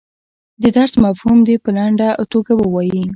د درس مفهوم دې په لنډه توګه ووایي.